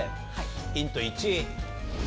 ヒント１。